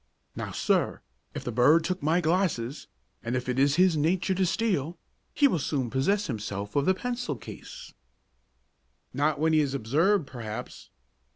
"Now, sir, if the bird took my glasses, and if it is his nature to steal, he will soon possess himself of the pencil case." "Not when he is observed, perhaps.